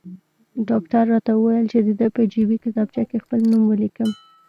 ډاکټر راته وویل چې د ده په جیبي کتابچه کې خپل نوم ولیکم.